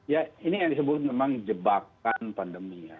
ya ini yang disebut memang jebakan pandemi ya